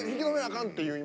かんっていう今。